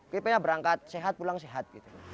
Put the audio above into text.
pph berangkat sehat pulang sehat